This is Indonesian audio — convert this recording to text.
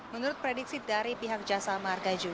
menurut prediksi dari pihak jasa margaju